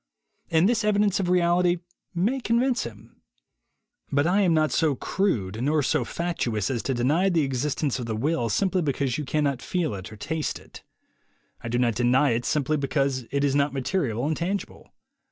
And this evidence of reality may convince him. But I am not so crude nor so fatuous as to deny the existence of the will simply because you cannot feel it on taste it. I do not deny it simply because it is not material and tangible.